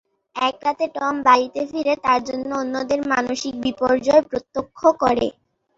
এক রাতে টম বাড়িতে ফিরে তার জন্য অন্যদের মানসিক বিপর্যয় প্রত্যক্ষ করে।